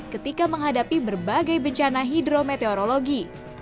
ketika menghadapi berbagai bencana hidrometeorologi